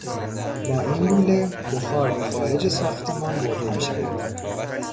با این لوله بخار به خارج ساختمان برده میشود.